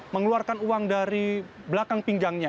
mengeluarkan uang dari belakang pinggangnya